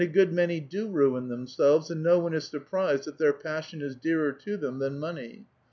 good many do ruin tliemselves, and no one is surprised that their passion is dearer to them than money.